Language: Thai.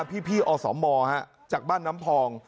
พี่อสมจากบ้านน้ำพอง